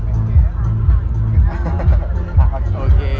ไม่เคยชอบใคร